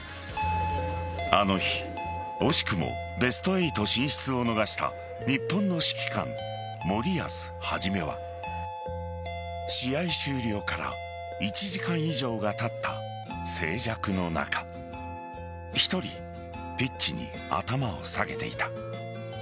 あの日惜しくもベスト８進出を逃した日本の指揮官・森保一は試合終了から１時間以上がたった静寂の中１人、ピッチに頭を下げていた。